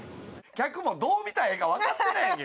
客もどう見たらええかわかってないやんけ